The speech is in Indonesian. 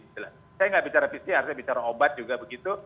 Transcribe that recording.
saya nggak bicara pcr saya bicara obat juga begitu